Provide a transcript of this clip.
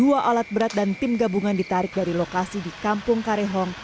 dua alat berat dan tim gabungan ditarik dari lokasi di kampung karehong